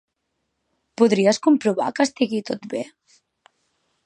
Podries comprovar que estigui tot bé?